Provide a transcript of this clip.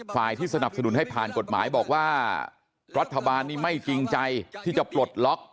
ที่สนับสนุนให้ผ่านกฎหมายบอกว่ารัฐบาลนี้ไม่จริงใจที่จะปลดล็อก